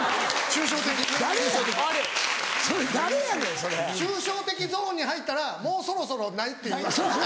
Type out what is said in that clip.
抽象的ゾーンに入ったらもうそろそろないっていう合図。